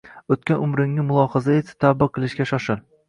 O‘tgan umringni mulohaza etib, tavba qilishga shoshil.